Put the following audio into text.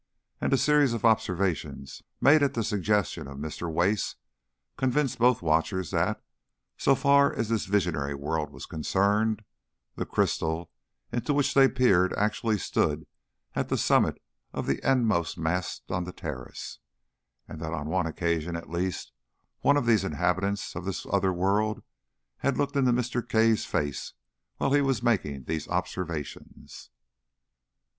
And a series of observations, made at the suggestion of Mr. Wace, convinced both watchers that, so far as this visionary world was concerned, the crystal into which they peered actually stood at the summit of the endmost mast on the terrace, and that on one occasion at least one of these inhabitants of this other world had looked into Mr. Cave's face while he was making these observations.